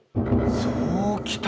そうきた？